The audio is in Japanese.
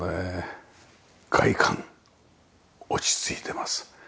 外観落ち着いてます。